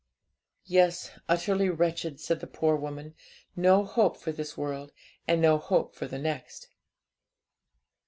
'Yes, utterly wretched!' said the poor woman, 'no hope for this world, and no hope for the next.'